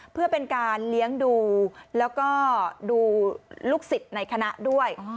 เพื่อเป็นการเลี้ยงดูแล้วก็ดูลูกศิษย์ในคณะด้วย